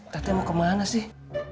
teteh mau kemana sih